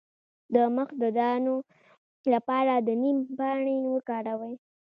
د مخ د دانو لپاره د نیم پاڼې وکاروئ